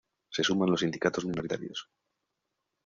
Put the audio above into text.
Se suman los sindicatos minoritarios.